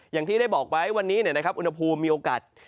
อย่างที่ได้บอกไว้วันนี้อุณหภูมิมีโอกาส